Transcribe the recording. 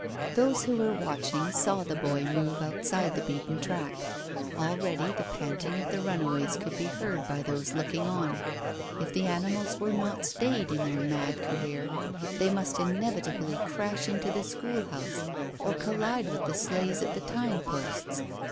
Those who were watching saw the boy move outside the beaten track. Already the panting of the runaways could be heard by those looking on. If the animals were not stayed in their mad career they must inevitably crash into the school house or collide with the sleighs at the tying posts.